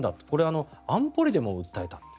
これは安保理でも訴えた。